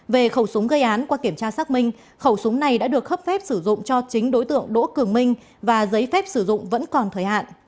về khẩu súng gây án qua kiểm tra xác minh khẩu súng này đã được cấp phép sử dụng cho chính đối tượng đỗ cường minh và giấy phép sử dụng vẫn còn thời hạn